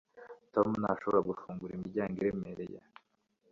tom ntashobora gufungura imiryango iremereye